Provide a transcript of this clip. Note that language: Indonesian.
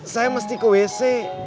saya mesti ke wc